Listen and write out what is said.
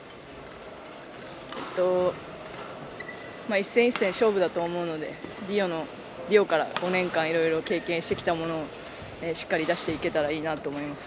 一戦一戦勝負だと思うのでリオから５年間色々経験してきたものをしっかり出していけたらいいなと思います。